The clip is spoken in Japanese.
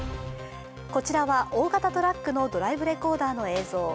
こちらは大型トラックのドライブレコーダーの映像。